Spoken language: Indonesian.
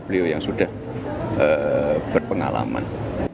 beliau yang sudah berpengalaman